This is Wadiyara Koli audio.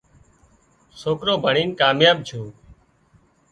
سوڪرو ڀڻين ڪامياب ڇو